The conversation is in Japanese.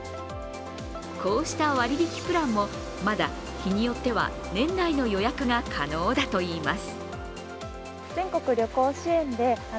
こうした割り引きプランも日によっては年内の予約が可能だといいます。